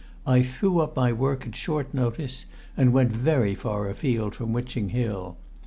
I threw up my work at short notice, and went very far afield from Witching Hill.